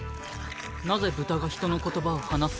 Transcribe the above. なぜ豚が人の言葉を話す？